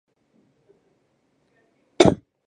金丸信等职。